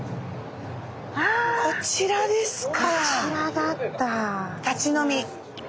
こちらですか！